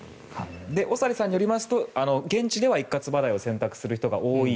長利さんによりますと現地では一括払いを選択する人が多い。